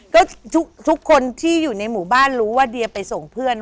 ก็ทุกคนที่อยู่ในหมู่บ้านรู้ว่าเดียไปส่งเพื่อน